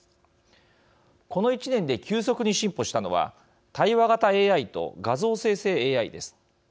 この１年で、急速に進歩したのは対話型ＡＩと、画像生成ＡＩです。